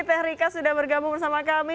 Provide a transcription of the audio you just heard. teh rika sudah bergabung bersama kami